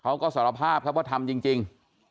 เขาก็สารภาพครับว่าทำจริง